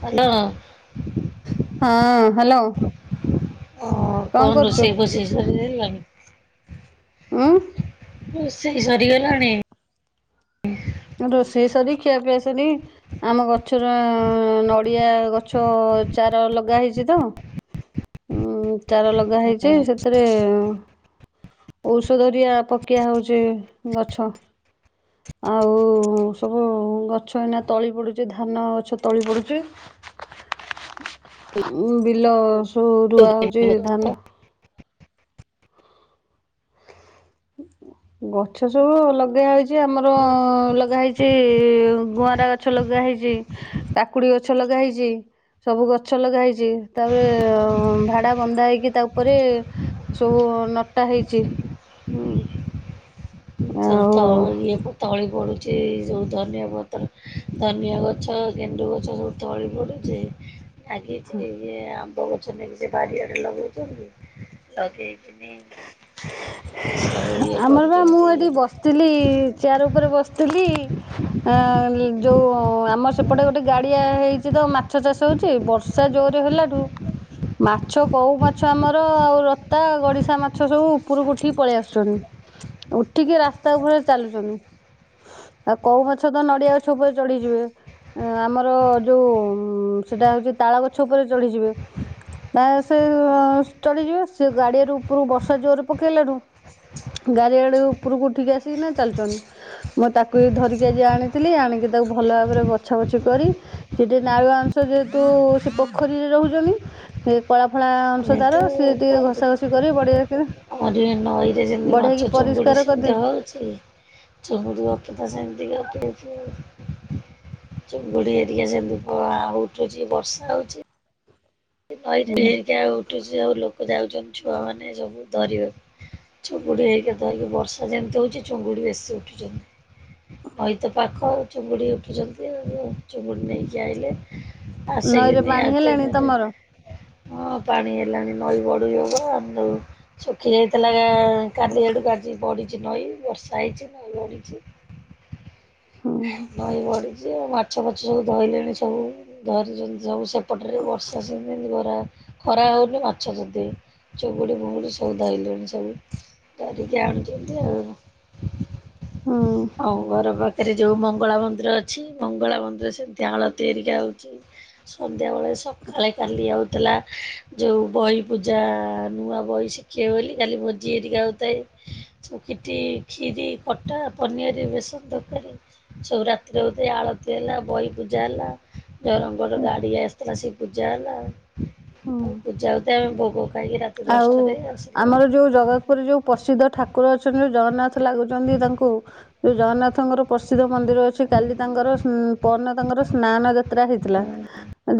Hello ଅ ହଁ hello. ଓ କଣ ରୋଷେଇ ଫୋଷେଇ ସରିଗଲାଣି? ଉଁ? ରୋଷେଇ ସରିଗଲାଣି? ରୋଷେଇ ସରି ଖିଆପିଆ ସରି ଆମ ଗଛର ନଡ଼ିଆ ଗଛ ଚାର ଲଗା ହେଇଛି ତ ଉଁ ଚାରା ଲଗା ହେଇଛି ସେଥିରେ ଔଷଧରିଆ ପକିଆ ହଉଛି ଗଛ। ଆଉ ସବୁ ଗଛ ଏଇନା ତଳି ପଡୁଛି ଧାନ ଗଛ ତଳି ପଡୁଛି। ବିଲ ସବୁ ରୁଆ ହଉଛି ଧାନ। ଗଛ ସବୁ ଲଗେଆ ହେଇଛି। ଯେ ଆମର ଲଗାହେଇଛି ଗୁଆଁରା ଗଛ ଲଗାହେଇଛି। କାକୁଡି ଗଛ ଲଗା ହେଇଛି। ସବୁ ଗଛ ଲଗା ହେଇଛି ତାପରେ ଭାଡ଼ା ବନ୍ଧା ହୋଇଇକି ତା ଉପରେ ସବୁ ନଟା ହେଇଛି। ହୁଁ। ଆଉ ସବୁତ ଲେମ୍ବୁ ତଳି ପଡୁ ଛି ଯୋଉ ଧନିଆ ପତ୍ର ଧନିଆ ଗଛ ଗେଣ୍ଡୁ ଗଛ ସବୁ ତଳି ପଡ଼ୁଛି। ଆଗିଛି ଇଏ ଆ ଲଗଛନ୍ତି କି ସେ ବାରିଆଡେ ଲଗଉଛନ୍ତି ଲଗେଇକ ନି ସବୁ ଇଏ କରୁଛନ୍ତି। ଯଉ ବସିଥିଲି ଚେୟାର ଉପରେ ବସିଥିଲି ଅ ଯୋଉ ଆମର ସେପଟେ ଗୋଟେ ଗାଡିଆ ହେଇଛି ତ ମାଛ ଚାଷ ହଉଛି ସେ ବର୍ଷା ଜୋ ରେ ହେଲାଠୁ ମାଛ କଉ ମାଛ ଆମର ଆଉ ରତା ଗଡିଶା ମାଛ ସବୁ ଉପରକୁ ଉଠିକି ପଳେଇ ଆସୁଛନ୍ତି ଉଠିକି ରାସ୍ତା ଉପରେ ଚାଲୁଛନ୍ତି। ଆଉ କୋଉ ମାଛ ତ ନଡିଆ ସବୁରେ ଚଢଯିବେ। ଏ ଆମର ଯୋଉ ସେଇଟା ହଉଛି ତାଳ ଗଛ ଉପରେ ଚଳିଯିବେ। ତାର ଫେରେ ଚଡିଯିବେ ସେ ଗାଡିଆ ର ଉପରୁ ବର୍ଷା ଜୋରରେ ପକେଇଲାରୁ ଗାଡି ଆଡେ ଉପରକୁ ଉଠିକି ଆସିକି ନା ଚାଲୁଚନ୍ତି। ମୁଁ ତାକୁ ଧରିକି ଆଜି ଆଣିଥିଲି ଆଣିକି ତାକୁ ଭଲ ଭାବରେ ବଛା ବଛି କରି ସେଠି ନାଳୁଆ ଅଂଶ ଯେହେତୁ ସେ ପୋଖରୀରେ ରହୁଛନ୍ତି ସେ କଳା ଫଳା ଅଂ ଆମେ ସେ ତ ତାର ସିଏ କଣ ଟିକେ ଘଷା ଘଷି କରିବୁ କରି ବଡ଼େଇଆ କିରି ଆମର ଇଏ ନଈରେ ଯେମିତି ମାଛ ଚିଙ୍ଗୁଡ଼ି ସେମିତି କରିଦେଇକି ହଉ ଛି ଚିଙ୍ଗୁଡି ରଖିଥା ସେମିତି ରଖି ଦେଇଥିବ ଚିଙ୍ଗୁଡିଏ ଟିକେ ସେମିତି ପ ଉଠୁଛି ବର୍ଷା ହଉଛି। କଇଥିଲି କି ଆଉଉଠୁଛି ସବୁ ଲୋକ ଯାଉଛନ୍ତି ଛୁଆ ମାନେ ସବୁ ଧରିବାକୁ ଚୁଙ୍ଗୁଡ଼ି ହେଇକିରିକି ବର୍ଷା ଯେମିତି ହଉଛି ଚୁଙ୍ଗୁଡ଼ି ବେଶୀ ଉଠୁଛନ୍ତି। ନଇତ ପାଖ ଚୁଙ୍ଗୁଡି ଉଠୁଛନ୍ତି ଚୁଙ୍ଗୁଡି ନେଇକି ଆଇଲେ ଆସ ନଈରେ କିନି ପାଣି ହେଲାଣି ଆଛିଚନ୍ତି। ତମର? ହଁ ପାଣି ହେଲାଣି ନଈ ବଢୁଯିବ କଣ ଶୁଖି ଯାଇଥିଲା କାଲି ଏଡାକୁ ଆଜି ବଢିଛି ନଈ ବର୍ଷା ହେଇଛି ନଈ ବଢିଛି। ହୁଁ ନଈ ବଢିଛି ଆଉ ମାଛ ଫାଛ ସବୁ ଧଇଲେଣି ସବୁ ଧରିଛନ୍ତି ସବୁ ସେ ଏ ପଟରେ ବର୍ଷା ସବୁ ବରା ଖରା ହଉନି ମାଛ ଯଦି ଚୁଗୁଡ଼ି ଫୁଙ୍ଗୁଡ଼ି ସବୁ ଧାଇଲେଣି ସବୁ। ଧରିକି ଆଣୁଛନ୍ତି ଆଉ। ହୁଁ ଆମ ଘର ପାଖ ଏଥିରେ ଯୋଉ ମଙ୍ଗଳା ମନ୍ଦିର ଅଛି ମଙ୍ଗଳା ମନ୍ଦିର ସେମିତି ଆଳତି ହେରିକା ହଉଛି। ସନ୍ଧ୍ୟାବେଳେ ସକାଳେ କାଲି ହେଉଥିଲା ଯୋଉ ବହି ପୂଜା ନୂଆ ବହି ଶିଖିବେ ବୋଲି କାଲି ଭୋଜି ହେରିକା ହଉଥାଏ। ଚିକିଟି ଖୀରି ପଟା ପନିଆରି ବେସନ ତରକାରି। ସବୁ ରାତିରେ ବୋଧେ ଆଳତି ହେଲା, ବହି ପୂଜା ହେଲା, ଯୋରଙ୍ଗର ଗାଡି ଆସିଥିଲା ସେ ପୂଜା ହେଲା ହୁଁ। ଆଉ ପୂଜା ହେଉଥାଏ ଆମେ ଭୋଗ ଖାଇକି ରାତି ଆଉ ଦଶଟାରେ ଆସିଲୁ। ଆମର ଯୋଉ ଜଗତପୁରରେ ଯୋଉ ପ୍ରସିଦ୍ଧ ଠାକୁର ଅଛନ୍ତି, ଯୋଉ ଜଗନ୍ନାଥ ଲାଗୁଛନ୍ତି ତାଙ୍କୁ ଯୋଉ ଜଗନ୍ନାଥଙ୍କର ପସିଦ୍ଧ ମନ୍ଦିର ଅଛି କାଲି ତାଙ୍କର ସୁନ୍ ପରନ ତାଙ୍କର ସ୍ନାନ ଯାତ୍ରା ହେଇଥିଲା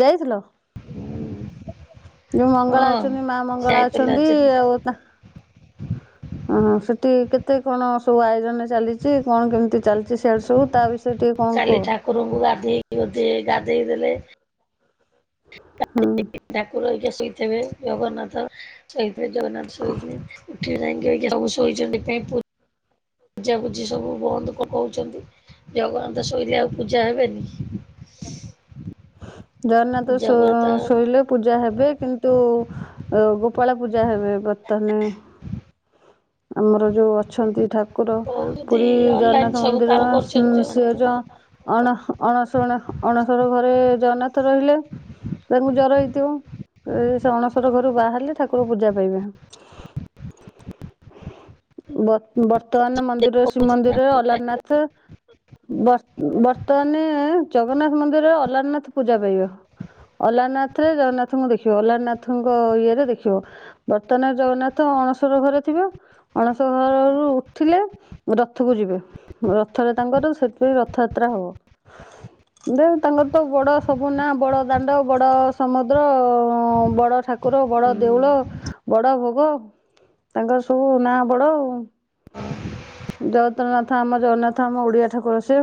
ଯାଇଥିଲ। ହୁଁ। ଯୋଉ ମଙ୍ଗଳା ଅଛନ୍ତି, ମା ମଙ୍ଗଳା ଅଛନ୍ତି ଆଜି ଆଉ ହଁ ସେଠି କେତେ କଣ ସବୁ ଆୟୋଜନ ଚାଲିଛି କଣ କେମିତି ଚାଲିଛି ସିଆଡେ ସବୁ ତା ବିଷୟ କାଲି ଠାକୁରଙ୍କୁ ଗାଧେଇକି ବୋଧେ ଗାଧେଇ ଦେଲେ। ହୁଁ। ଠାକୁର ହେରିକା ଶୋଇଥିବେ, ଜଗନ୍ନାଥ ଶୋଇଥିବେ, ଜଗନ୍ନାଥ ଶୋଇକି ଉଠି ଯାଇକି କିଏ କିଏ ସବୁ ଶୋଇଛନ୍ତି ପେପୁର୍ ପୁଜା ପୁଜି ସବୁ ବନ୍ଦ ତ କଉଛନ୍ତି ଜଗନ୍ନାଥ ଶୋଇଲେ ଆଉ ପୂଜା ହେବେନି। ଜଗନ୍ନାଥ ଶୋ ଶୋଇଲେ ପୂଜା ହେବେ କିନ୍ତୁ ଅ ଗୋପାଳ ପୂଜା ହେବେ ବର୍ତ୍ତମାନ। ଆମର ଯୋଉ ଅଛନ୍ତି ଠାକ୍ କୁର କହୁଛନ୍ତି ପୁରୀ ଅନଲାଇନ ଜଗନ୍ନାଥ ସବୁ ମନ୍ଦିର କାମ କରୁଛନ୍ତି ଶୁନ୍ ଯୋଉମାନେ ସେଜ ଅଣ ଅଣସୁଣ ଅଣସର ଘରେ ଜଗନ୍ନାଥ ରହିଲେ। ତାଙ୍କୁ ଜର ହେଇଥିବ ସେ ସେ ଅଣସର ଘରୁ ବାହାରିଲେ ଠାକୁର ପୂଜା ପାଇବେ। ବତ୍ ବର୍ତ୍ତମାନ ମନ୍ଦିର ଦେଖଉଛନ୍ତି ନା ଶ୍ରୀମନ୍ଦିରରେ ଅନଲାଇନ ଅଲାରିନାଥ ଥ୍ ବର୍ତ୍ତ ବର୍ତ୍ତମାନେ ଜଗନ୍ନାଥ ମନ୍ଦିରରେ ଅଲାରିନାଥ ପୂଜା ପାଇବ। ଅଲାରିନାଥରେ ଜଗନ୍ନାଥଙ୍କୁ ଦେଖିବ ଅଲାରିନାଥଙ୍କ ଇଏରେ ଦେଖିବ। ବର୍ତ୍ତମାନ ଜଗନ୍ନାଥ ଅଣସର ଘରେ ଥିବ। ଅଣସର ଘରରୁ ଉଠିଲେ ରଥକୁ ଯିବେ। ରଥରେ ତାଙ୍କର ସେଥିପାଇଁ ରଥଯାତ୍ରା ହବ। ଦେ ତାଙ୍କର ତ ବଡ ସବୁ ନା ବଡ ଦାଣ୍ଡ ବଡ ସମୁଦ୍ର ବଡ ଠାକୁ କୁର ବଡ ଦେଉଳ ବଡ ଭୋଗ। ତାଙ୍କର ସବୁ ନାଁ ବଡ ଆଉ। ଜଗତରନାଥ ଆମ ଜଗନ୍ନାଥ ଆମ ଓଡିଆ ଠାକୁର ସେ।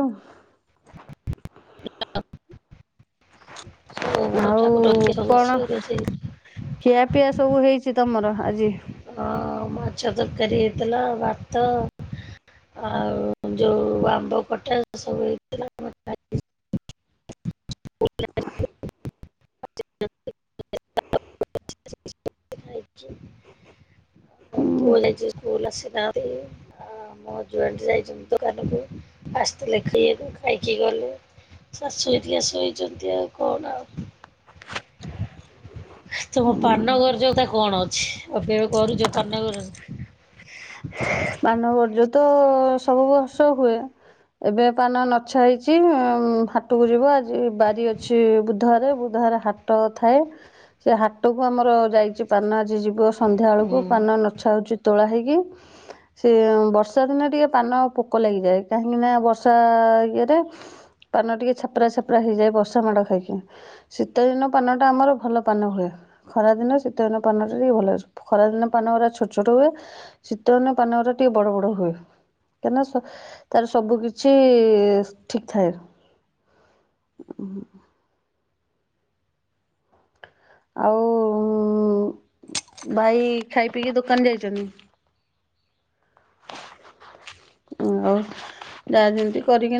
ସବୁ ବଡ ଠାକୁର ଆଉ ହେରିକା ସବୁ କଣ ଆସିବେ ରୋଷେଇ ଖିଆପିଆ ସବୁ ହେଇଛି ତମର ଆଜି? ହ ମାଛ ତରକାରୀ ହେଇଥିଲା, ଭାତ ଆଉ ଯୋଉ ଆମ୍ବ କଟା ସବୁ ହେଇଥିଲା। ଆମେ ଖାଇ [unintelligible] [unintelligible] ତମ ପୁଅ ଯାଇଛି ହୁଁ ସ୍କୁଲ ଆସିନା। ଆଉ ମୋ ହଜବେନ୍ଟ ଯାଇଛନ୍ତି ଦୋକାନକୁ ଆସିଥିଲେ ଖାଇବାକୁ ଖାଇକି ଗଲେ। ଶାଶୁ ଏଠିକିଆ ଶୋଇଛନ୍ତି ଆଉ କଣ ଆଉ। ତମ ପାନଗରଜ ତା କଣ ଅଛି, ଏବେ କରୁଛ ପାନଗରଜା? ମାନବର୍ଯ୍ୟ ତ ସବୁ ବର୍ଷ ହୁଏ। ଏବେ ପାନ ନଛା ହେଇଛି ହାଟକୁ ଯିବ ଆଜି ବାରି ଅଛି ବୁଧବାରେ ବୁଧବରେ ହା ହାଟ ଥାଏ ସେ ହାଟ କୁ ଆମର ଯାଇଛି ପାନ ଆଜି ଯିବ। ସନ୍ଧ୍ୟା ବେଳକୁ ହୁଁ। ପାନ ନଛା ହଉଛି ତୋଳା ହେଇକି ସେ ବର୍ଷା ଦିନେ ଟିକେ ପାନ ପୋକ ଲାଗିଯାଏ କାହିଁକିନା ବର୍ଷା ଇଏରେ ପାନ ଟିକେ ଛାପରା ଛାପରା ହେଇଯାଏ ବର୍ଷା ମାଡ଼ ଖାଇକି। ଶୀତ ଦିନ ପାନଟା ଆମର ଭଲ ପାନ ହୁଏ। ଖରାଦିନ ଶୀତଦିନ ପାନଟା ଟିକେ ଭଲଆସେ। ଖରାଦିନ ପାନଗୁରା ଛୋଟ ଛୋଟ ହୁଏ ଶୀତଦିନେ ପାନଗୁରା ଟିକେ ବଡ ବଡ ହୁଏ। କାଇଁନା ସ ତାର ସବୁ କିଛି ଠିକ୍ ଥାଏ। ହୁଁ ଆଉ ଉଁ ଭାଇ ଖାଇ ପିଇକି ଦୋକାନ ଯାଇଛନ୍ତି। ଆଉ ଯାଆ ଯେମିତି କରିକିନା